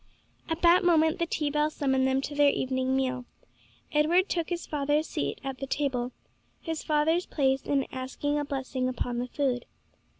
At that moment the tea bell summoned them to their evening meal. Edward took his father's seat at the table, his father's place in asking a blessing upon the food.